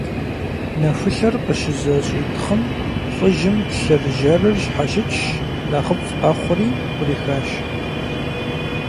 Нэхулъэр къыщызэщӀитхъым, лӏыжьым плъыржьэрыр щхьэщыкӀщ, нэхъыфӀ къэхъури Ӏурихащ.